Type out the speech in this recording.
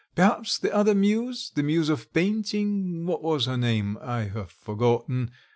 Perhaps the other muse, the muse of painting what was her name? I have forgotten...